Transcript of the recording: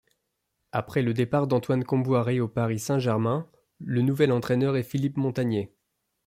Après le départ d'Antoine Kombouaré au Paris Saint-Germain, le nouvel entraîneur est Philippe Montanier.